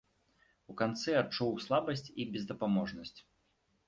У канцы адчуў слабасць і бездапаможнасць.